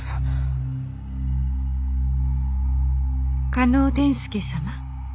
「嘉納伝助様。